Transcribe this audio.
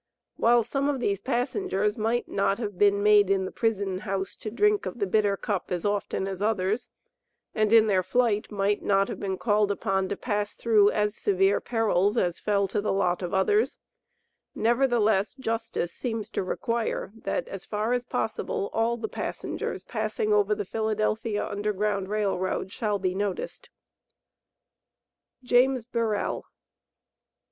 While some of these passengers might not have been made in the prison house to drink of the bitter cup as often as others, and in their flight might not have been called upon to pass through as severe perils as fell to the lot of others, nevertheless justice seems to require, that, as far as possible, all the passengers passing over the Philadelphia Underground Rail Road shall be noticed. James Burrell.